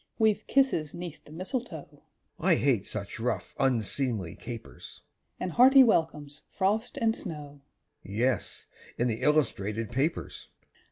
_) We've kisses 'neath the mistletoe (I hate such rough, unseemly capers!) And hearty welcomes, frost and snow; (_Yes, in the illustrated papers.